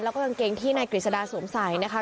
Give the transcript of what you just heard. แล้วก็กางเกงที่ในกริสดาสูงใสนะคะ